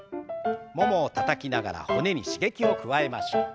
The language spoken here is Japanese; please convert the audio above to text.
ももをたたきながら骨に刺激を加えましょう。